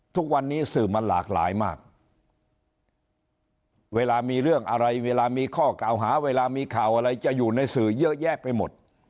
ทุกวันนี้สื่อมันหลากหลายมากเวลามีเรื่องอะไรเวลามีข้อกล่าวหาเวลามีข่าวอะไรจะอยู่ในสื่อเยอะแยะไปหมด